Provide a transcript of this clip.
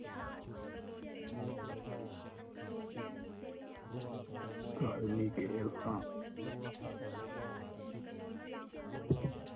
Kan halmi kha ka el hlah.